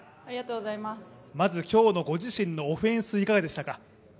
まず今日のご自身のオフェンス、いかがでしたか？